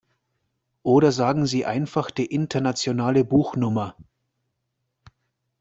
Oder sagen Sie einfach die internationale Buchnummer.